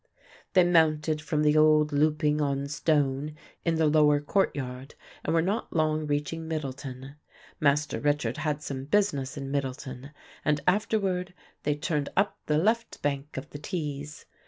They mounted from the old "louping on stone" in the lower courtyard and were not long reaching Middleton. Master Richard had some business in Middleton, and afterward they turned up the left bank of the Tees.